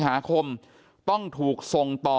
พี่สาวของเธอบอกว่ามันเกิดอะไรขึ้นกับพี่สาวของเธอ